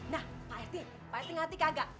nah pak rt pak rt ngerti kagak